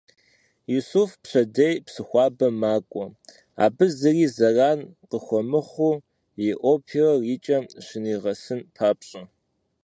Исуф пщэдей Псыхуабэ макӏуэ, абы зыри зэран къыхуэмыхъуу, и оперэр икӏэм щынигъэсын папщӏэ.